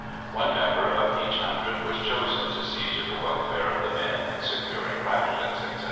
One member of each hundred was chosen to see to the welfare of the men in securing rations, etc.